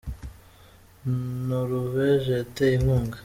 Noruveje yateye inkunga